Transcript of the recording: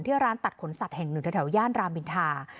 ร้านตัดขนสัตว์แห่งหนึ่งแถวย่านรามอินทา